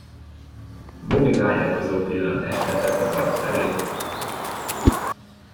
Bobby vágyakozó pillantást vetett a part felé.